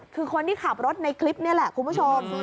คือคนที่ขับรถในคลิปนี่แหละคุณผู้ชม